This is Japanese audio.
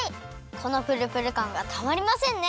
このぷるぷるかんがたまりませんね！